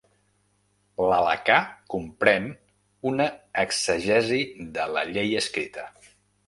L'Halacà comprèn una exegesi de la Llei escrita.